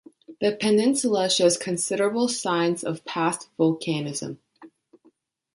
The peninsula shows considerable signs of past volcanism.